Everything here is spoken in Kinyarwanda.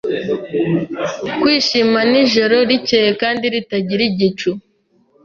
kwishima nijoro rikeye kandi ritagira igicu